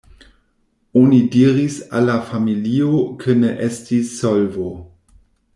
Oni diris al la familio ke ne estis solvo”.